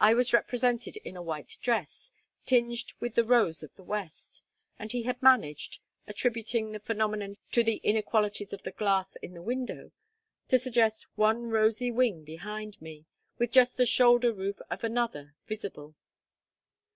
I was represented in a white dress, tinged with the rose of the west; and he had managed, attributing the phenomenon to the inequalities of the glass in the window, to suggest one rosy wing behind me, with just the shoulder roof of another visible.